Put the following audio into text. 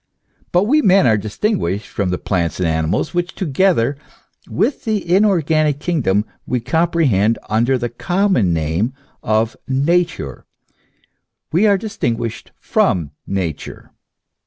But we men are distinguished from the plants and animals, which together with the inorganic kingdom we comprehend under the common name of Nature ; we are distinguished from Nature.